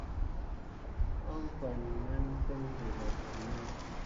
Umpay ne mā foŋko va ɗurwa.